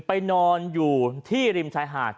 ไปนอนอยู่ที่ริมชายหาด